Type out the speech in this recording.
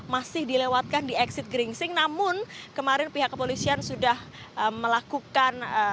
masih dilewatkan di exit geringsing namun kemarin pihak kepolisian sudah melakukan